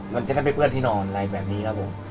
มันจะได้เป็นเพื่อนที่นอนอะไรแบบนี้ครับผม